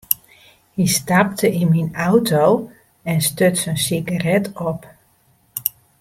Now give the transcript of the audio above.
Hy stapte yn myn auto en stuts in sigaret op.